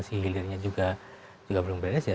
kalau hulunya itu persoalan hulunya ini belum banyak